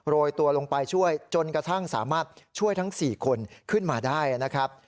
โรยตัวลงไปช่วยจนกระทั่งสามารถช่วยทั้ง๔คนขึ้นมาได้นะครับ